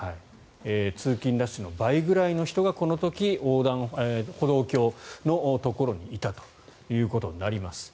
通勤ラッシュの倍ぐらいの人がこの時、歩道橋のところにいたということになります。